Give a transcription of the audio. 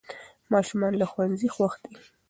ماشومان له ښوونځي خوښ دي.